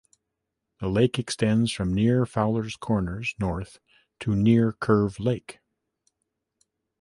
The lake extends from near Fowlers Corners north to near Curve Lake.